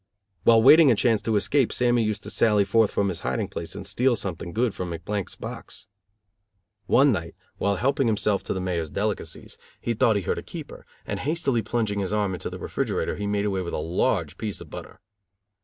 While waiting a chance to escape Sammy used to sally forth from his hiding place and steal something good from McBlank's box. One night, while helping himself to the Mayor's delicacies, he thought he heard a keeper, and hastily plunging his arm into the refrigerator he made away with a large piece of butter.